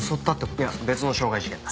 いや別の傷害事件だ。